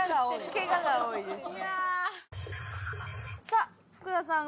ケガが多いですね。